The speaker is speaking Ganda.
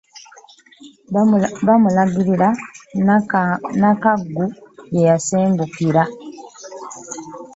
Baamulagirira Nakangu gye yasengukira.